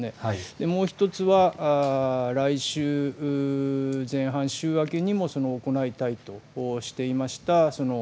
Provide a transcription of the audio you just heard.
もう１つは来週前半、週明けにも行いたいとしていました